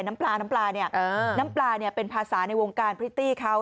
น้ำปลาน้ำปลานี้น้ำปลานี้เป็นภาษาในวงการพฤติเค้า